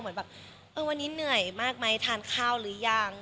เหมือนแบบเออวันนี้เหนื่อยมากไหมทานข้าวหรือยัง